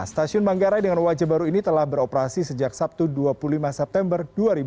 stasiun manggarai dengan wajah baru ini telah beroperasi sejak sabtu dua puluh lima september dua ribu dua puluh